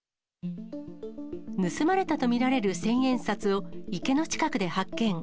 盗まれたと見られる千円札を池の近くで発見。